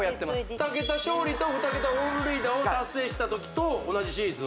２ケタ勝利と２ケタ本塁打を達成した時と同じシーズン？